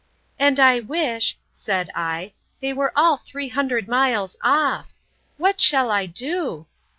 —And I wish, said I, they were all three hundred miles off!—What shall I do?